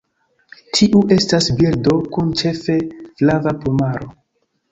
Tiu estas birdo, kun ĉefe flava plumaro.